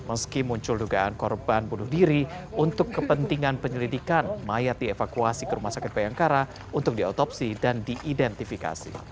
meski muncul dugaan korban bunuh diri untuk kepentingan penyelidikan mayat dievakuasi ke rumah sakit bayangkara untuk diotopsi dan diidentifikasi